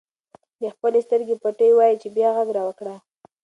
دی خپلې سترګې پټوي او وایي چې بیا غږ راوکړه.